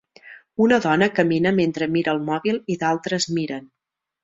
Una dona camina mentre mira el mòbil i d'altres miren.